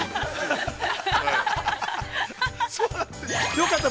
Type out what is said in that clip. よかった